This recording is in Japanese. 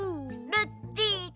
ルッチタ！